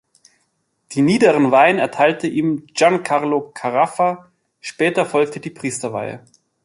Die niederen Weihen erteilte ihm Gian Carlo Carafa, später folgte die Priesterweihe.